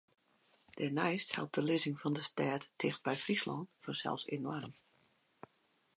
Dêrneist helpt de lizzing fan de stêd ticht by Fryslân fansels enoarm.